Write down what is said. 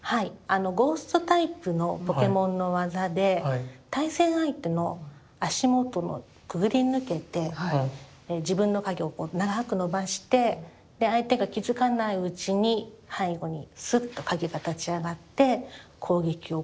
ゴーストタイプのポケモンの技で対戦相手の足元をくぐり抜けて自分の影を長く伸ばしてで相手が気付かないうちに背後にスッと影が立ち上がって攻撃を加える。